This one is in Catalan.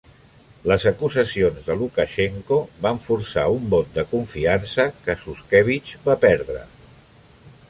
Les acusacions de Lukashenko van forçar un vot de confiança, que Shushkevich va perdre.